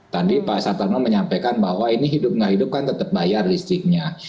tadi pak satano menyampaikan bahwa ini hidup ngahidup kan tetap bayar listriknya